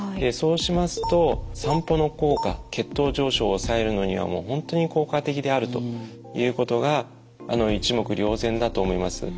そうしますと散歩の効果血糖上昇を抑えるのにはもう本当に効果的であるということが一目瞭然だと思います。